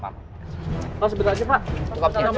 pak sebentar aja pak